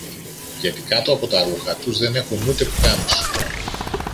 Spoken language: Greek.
Γιατί κάτω από τα ρούχα τους δεν έχουν ούτε πουκάμισο!